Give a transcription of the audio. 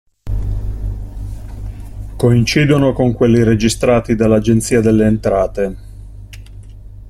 Coincidono con quelli registrati dall'Agenzia delle Entrate.